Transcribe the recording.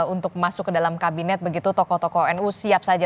untuk masuk ke dalam kabinet begitu tokoh tokoh nu siap saja